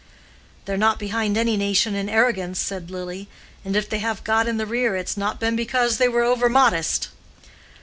"They're not behind any nation in arrogance," said Lily; "and if they have got in the rear, it has not been because they were over modest."